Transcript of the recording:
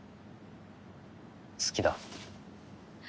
好きだ。